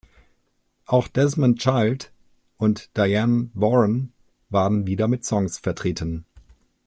Auch Desmond Child und Dianne Warren waren wieder mit Songs vertreten.